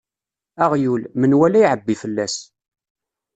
Aɣyul, menwala iɛebbi fell-as.